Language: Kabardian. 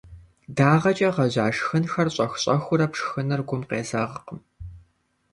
Дагъэкӏэ гъэжьа шхынхэр щӏэх-щӏэхыурэ пшхыныр гум къезэгъкъым.